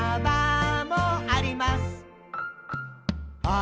「あ！